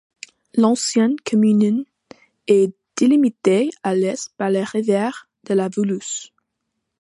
L'ancienne commune est délimitée à l'est par la rivière de la Valouse.